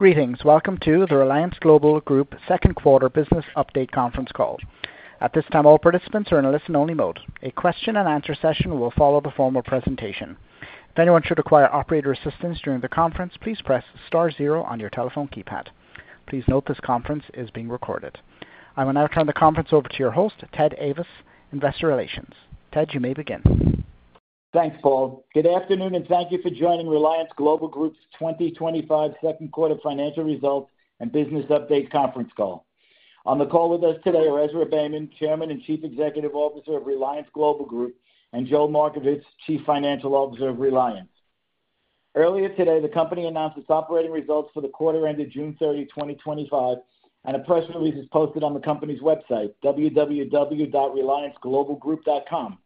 Greetings. Welcome to the Reliance Global Group second quarter business update conference call. At this time, all participants are in a listen-only mode. A question and answer session will follow the formal presentation. If anyone should require operator assistance during the conference, please press star zero on your telephone keypad. Please note this conference is being recorded. I will now turn the conference over to your host, Ted Ayvas, Investor Relations. Ted, you may begin. Thanks, Paul. Good afternoon, and thank you for joining Reliance Global Group's 2025 second quarter financial results and business update conference call. On the call with us today are Ezra Beyman, Chairman and Chief Executive Officer of Reliance Global Group, and Joel Markovits, Chief Financial Officer of Reliance. Earlier today, the company announced its operating results for the quarter ended June 30, 2025, and a press release is posted on the company's website, www.relianceglobalgroup.com.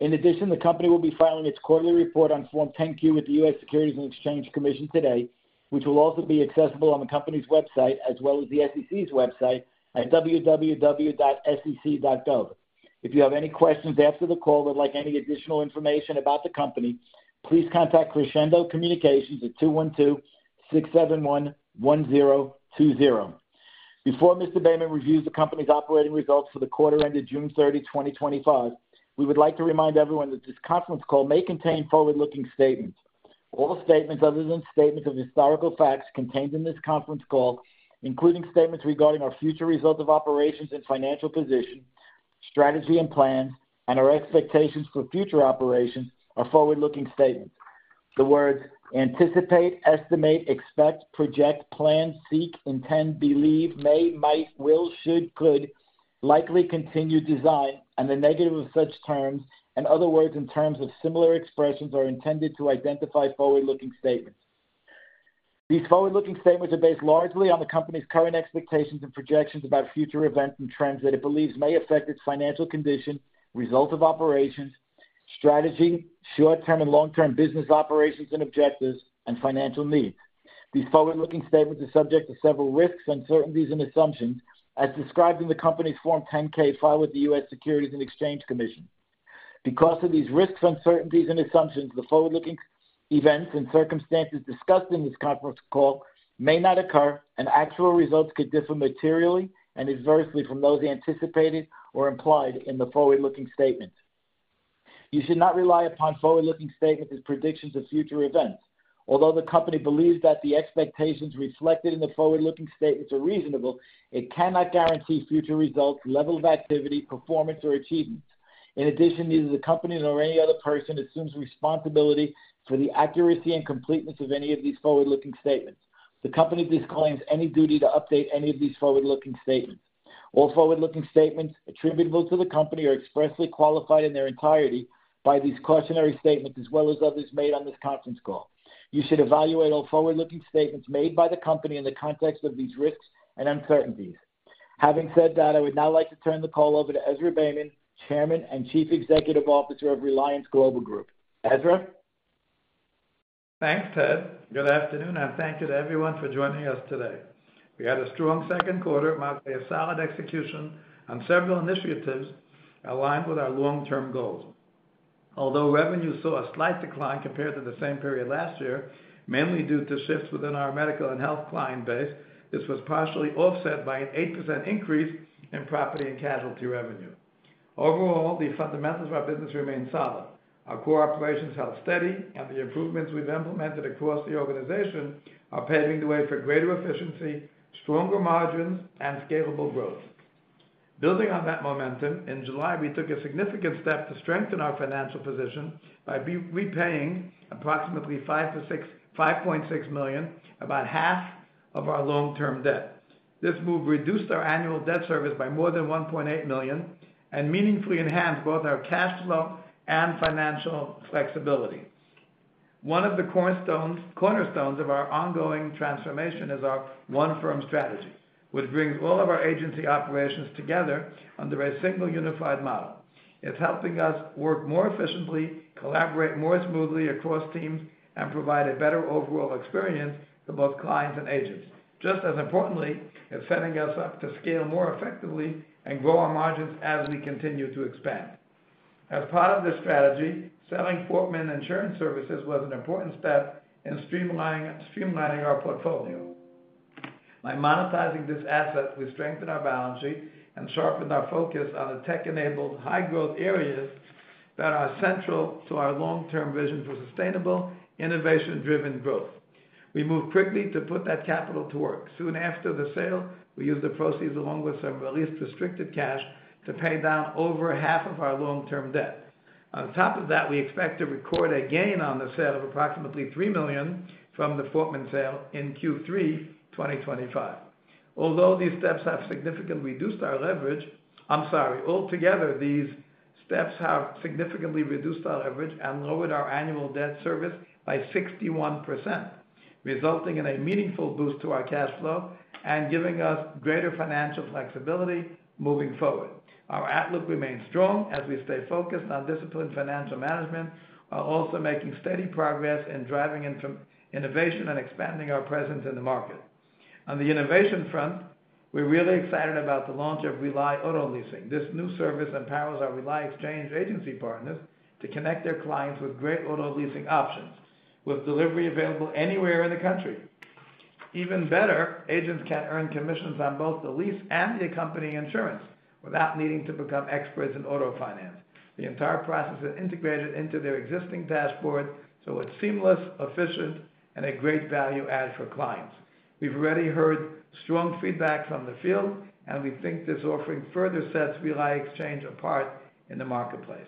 In addition, the company will be filing its quarterly report on Form 10-Q with the U.S. Securities and Exchange Commission today, which will also be accessible on the company's website as well as the SEC's website at www.sec.gov. If you have any questions after the call or would like any additional information about the company, please contact Crescendo Communications at 212-671-1020. Before Mr. Beyman reviews the company's operating results for the quarter ended June 30, 2025, we would like to remind everyone that this conference call may contain forward-looking statements. All statements other than statements of historical facts contained in this conference call, including statements regarding our future results of operations and financial position, strategy and plans, and our expectations for future operations, are forward-looking statements. The words "anticipate, estimate, expect, project, plan, seek, intend, believe, may, might, will, should, could, likely, continue, design," and the negative of such terms and other words and terms of similar expressions are intended to identify forward-looking statements. These forward-looking statements are based largely on the company's current expectations and projections about future events and trends that it believes may affect its financial condition, results of operations, strategy, short-term and long-term business operations and objectives, and financial needs. These forward-looking statements are subject to several risks, uncertainties, and assumptions, as described in the company's Form 10-K filed with the U.S. Securities and Exchange Commission. Because of these risks, uncertainties, and assumptions, the forward-looking events and circumstances discussed in this conference call may not occur, and actual results could differ materially and adversely from those anticipated or implied in the forward-looking statements. You should not rely upon forward-looking statements as predictions of future events. Although the company believes that the expectations reflected in the forward-looking statements are reasonable, it cannot guarantee future results, level of activity, performance, or achievements. In addition, neither the company nor any other person assumes responsibility for the accuracy and completeness of any of these forward-looking statements. The company disclaims any duty to update any of these forward-looking statements. All forward-looking statements attributable to the company are expressly qualified in their entirety by these cautionary statements, as well as others made on this conference call. You should evaluate all forward-looking statements made by the company in the context of these risks and uncertainties. Having said that, I would now like to turn the call over to Ezra Beyman, Chairman and Chief Executive Officer of Reliance Global Group. Ezra? Thanks, Ted. Good afternoon, and thank you to everyone for joining us today. We had a strong second quarter, marked by a solid execution on several initiatives aligned with our long-term goals. Although revenue saw a slight decline compared to the same period last year, mainly due to shifts within our medical and health client base, this was partially offset by an 8% increase in property and casualty revenue. Overall, the fundamentals of our business remain solid. Our core operations held steady, and the improvements we've implemented across the organization are paving the way for greater efficiency, stronger margins, and scalable growth. Building on that momentum, in July, we took a significant step to strengthen our financial position by repaying approximately $5.6 million, about half of our long-term debt. This move reduced our annual debt service by more than $1.8 million and meaningfully enhanced both our cash flow and financial flexibility. One of the cornerstones of our ongoing transformation is our One Firm strategy, which brings all of our agency operations together under a single unified model. It's helping us work more efficiently, collaborate more smoothly across teams, and provide a better overall experience for both clients and agents. Just as importantly, it's setting us up to scale more effectively and grow our margins as we continue to expand. As part of this strategy, selling Fortman Insurance Services was an important step in streamlining our portfolio. By monetizing this asset, we strengthened our balance sheet and sharpened our focus on the tech-enabled high-growth areas that are central to our long-term vision for sustainable, innovation-driven growth. We moved quickly to put that capital to work. Soon after the sale, we used the proceeds along with some released restricted cash to pay down over half of our long-term debt. On top of that, we expect to record a gain on the sale of approximately $3 million from the Fortman sale in Q3 2025. Altogether, these steps have significantly reduced our leverage and lowered our annual debt service by 61%, resulting in a meaningful boost to our cash flow and giving us greater financial flexibility moving forward. Our outlook remains strong as we stay focused on disciplined financial management while also making steady progress in driving innovation and expanding our presence in the market. On the innovation front, we're really excited about the launch of RELI Auto Leasing. This new service empowers our RELI Exchange agency partners to connect their clients with great auto leasing options, with delivery available anywhere in the country. Even better, agents can earn commissions on both the lease and the accompanying insurance without needing to become experts in auto finance. The entire process is integrated into their existing dashboard, so it's seamless, efficient, and a great value add for clients. We've already heard strong feedback from the field, and we think this offering further sets RELI Exchange apart in the marketplace.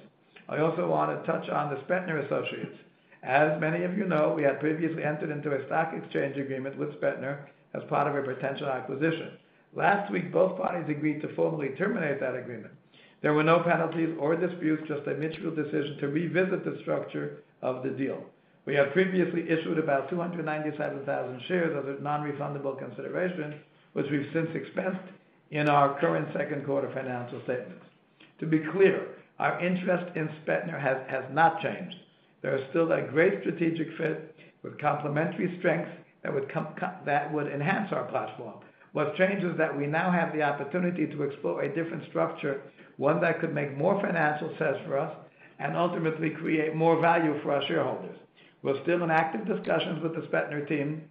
I also want to touch on Spetner Associates. As many of you know, we had previously entered into a stock exchange agreement with Spetner as part of a potential acquisition. Last week, both parties agreed to formally terminate that agreement. There were no penalties or disputes, just a mutual decision to revisit the structure of the deal. We had previously issued about 297,000 shares as a non-refundable consideration, which we've since expensed in our current second quarter financial statements. To be clear, our interest in Spetner has not changed. They're still a great strategic fit with complementary strengths that would enhance our platform. What's changed is that we now have the opportunity to explore a different structure, one that could make more financial sense for us and ultimately create more value for our shareholders. We're still in active discussions with the Spetner team,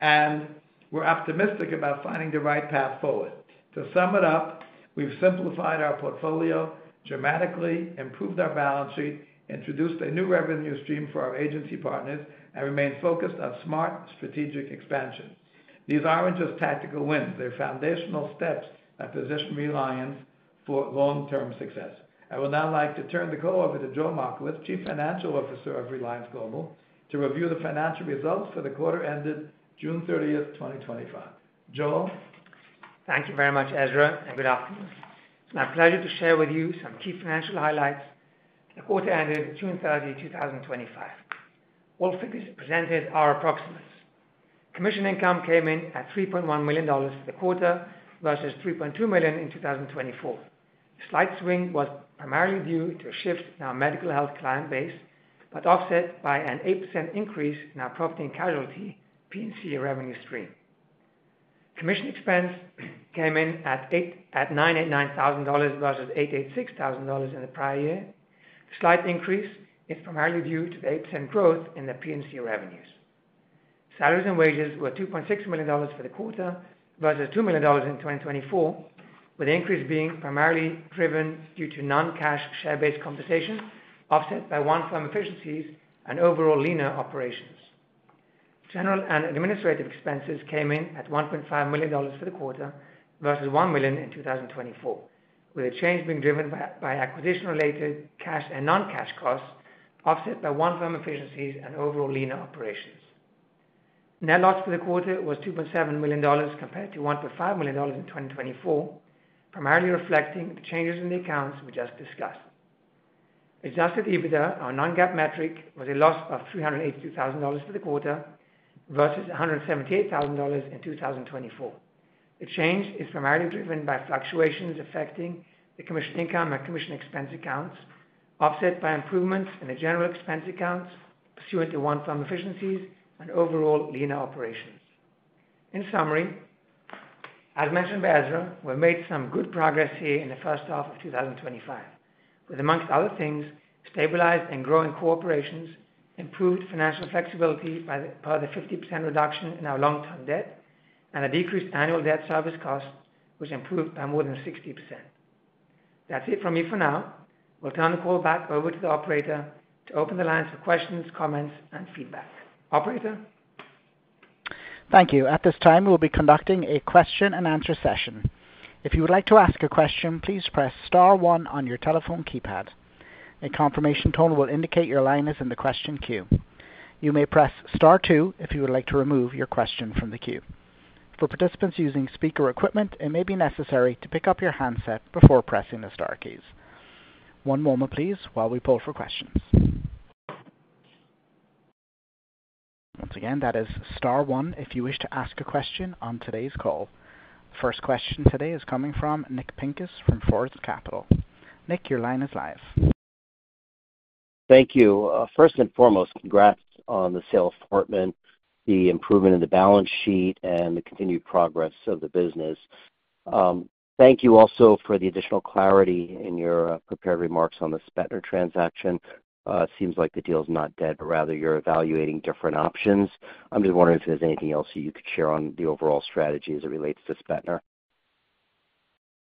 and we're optimistic about finding the right path forward. To sum it up, we've simplified our portfolio dramatically, improved our balance sheet, introduced a new revenue stream for our agency partners, and remained focused on smart, strategic expansion. These aren't just tactical wins, they're foundational steps that position Reliance for long-term success. I would now like to turn the call over to Joel Markovits, Chief Financial Officer of Reliance Global, to review the financial results for the quarter ended June 30, 2025. Joel? Thank you very much, Ezra, and good afternoon. It's my pleasure to share with you some key financial highlights. The quarter ended June 30, 2025. All figures presented are approximate. Commission income came in at $3.1 million for the quarter versus $3.2 million in 2024. The slight swing was primarily due to a shift in our medical health client base, but offset by an 8% increase in our property and casualty P&C revenue stream. Commission expense came in at $989,000 versus $886,000 in the prior year. The slight increase is primarily due to the 8% growth in the P&C revenues. Salaries and wages were $2.6 million for the quarter versus $2 million in 2024, with the increase being primarily driven due to non-cash share-based compensation offset by One Firm efficiencies and overall leaner operations. General and administrative expenses came in at $1.5 million for the quarter versus $1 million in 2024, with the change being driven by acquisition-related cash and non-cash costs offset by One Firm efficiencies and overall leaner operations. Net loss for the quarter was $2.7 million compared to $1.5 million in 2024, primarily reflecting the changes in the accounts we just discussed. Adjusted EBITDA, our non-GAAP metric, was a loss of $382,000 for the quarter versus $178,000 in 2024. The change is primarily driven by fluctuations affecting the commission income and commission expense accounts, offset by improvements in the general expense accounts pursuant to One Firm efficiencies and overall leaner operations. In summary, as mentioned by Ezra, we've made some good progress here in the first half of 2025, with, amongst other things, stabilized and growing core operations, improved financial flexibility by the 50% reduction in our long-term debt, and a decreased annual debt service cost, which improved by more than 60%. That's it from me for now. We'll turn the call back over to the operator to open the lines for questions, comments, and feedback. Operator? Thank you. At this time, we'll be conducting a question and answer session. If you would like to ask a question, please press star one on your telephone keypad. A confirmation tone will indicate your line is in the question queue. You may press star two if you would like to remove your question from the queue. For participants using speaker equipment, it may be necessary to pick up your handset before pressing the star keys. One moment, please, while we pull for questions. Once again, that is star one if you wish to ask a question on today's call. The first question today is coming from Nick Pincus from Forest Capital. Nick, your line is live. Thank you. First and foremost, congrats on the sale of Fortman, the improvement in the balance sheet, and the continued progress of the business. Thank you also for the additional clarity in your prepared remarks on the Spetner transaction. It seems like the deal is not dead, but rather you're evaluating different options. I'm just wondering if there's anything else that you could share on the overall strategy as it relates to Spetner.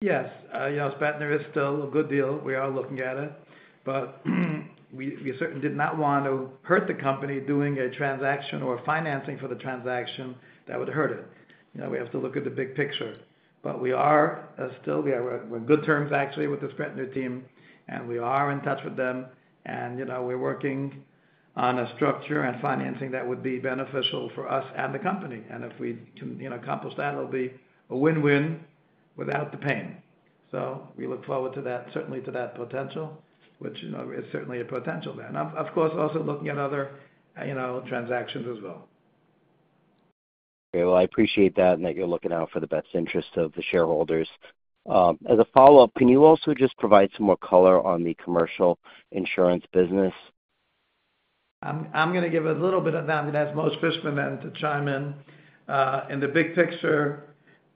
Yes. You know, Spetner Associates is still a good deal. We are looking at it. We certainly did not want to hurt the company doing a transaction or financing for the transaction that would hurt it. We have to look at the big picture. We are still, we're in good terms, actually, with the Spetner team, and we are in touch with them. We're working on a structure and financing that would be beneficial for us and the company. If we can accomplish that, it'll be a win-win without the pain. We look forward to that, certainly to that potential, which is certainly a potential there. I'm, of course, also looking at other transactions as well. Okay. I appreciate that and that you're looking out for the best interest of the shareholders. As a follow-up, can you also just provide some more color on the commercial insurance business? I'm going to give a little bit of that. I mean, as Moshe Fishman to chime in, in the big picture,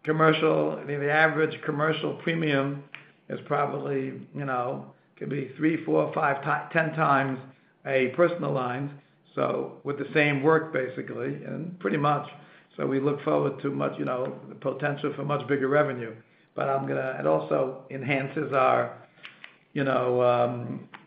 commercial, you know, the average commercial premium is probably, you know, could be 3x, 4x, 5x, 10x a personal line. With the same work, basically, and pretty much, we look forward to the potential for much bigger revenue. It also enhances our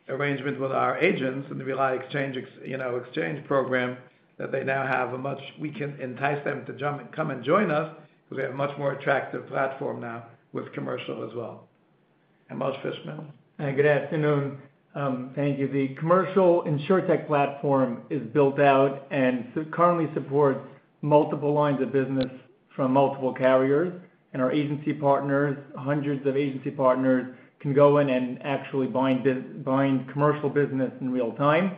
arrangement with our agents in the RELI Exchange program that they now have a much, we can entice them to come and join us because we have a much more attractive platform now with commercial as well. And Moshe Fishman. Good afternoon. Thank you. The commercial InsurTech platform is built out and currently supports multiple lines of business from multiple carriers. Our agency partners, hundreds of agency partners, can go in and actually bind commercial business in real time.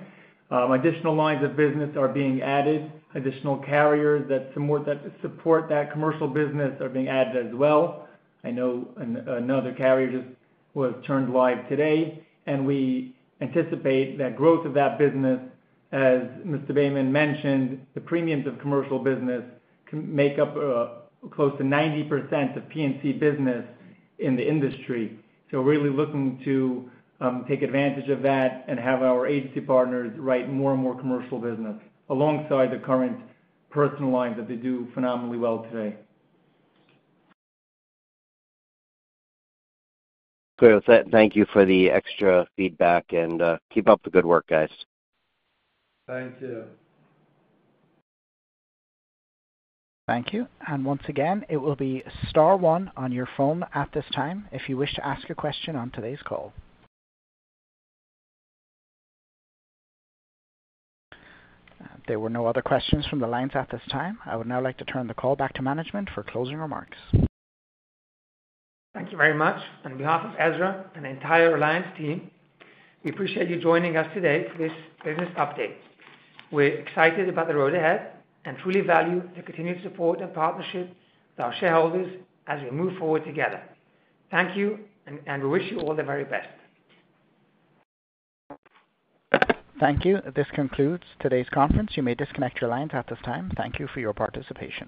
Additional lines of business are being added. Additional carriers that support that commercial business are being added as well. I know another carrier just was turned live today. We anticipate that growth of that business, as Mr. Beyman mentioned, the premiums of commercial business can make up close to 90% of P&C business in the industry. We are really looking to take advantage of that and have our agency partners write more and more commercial business alongside the current personal lines that they do phenomenally well today. Okay. With that, thank you for the extra feedback and keep up the good work, guys. Same too. Thank you. Once again, it will be star one on your phone at this time if you wish to ask a question on today's call. There were no other questions from the lines at this time. I would now like to turn the call back to management for closing remarks. Thank you very much. On behalf of Ezra Beyman and the entire Reliance Global Group team, we appreciate you joining us today for this business update. We're excited about the road ahead and truly value the continued support and partnership with our shareholders as we move forward together. Thank you, and we wish you all the very best. Thank you. This concludes today's conference. You may disconnect your lines at this time. Thank you for your participation.